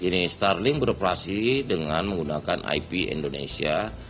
ini starlink beroperasi dengan menggunakan ip indonesia